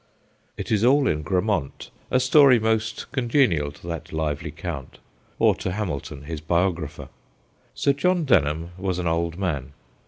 It is all in Grammont, a story most con genial to that lively Count, or to Hamilton his biographer. Sir John Denham was an old man.